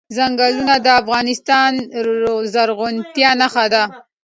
ځنګلونه د افغانستان د زرغونتیا نښه ده.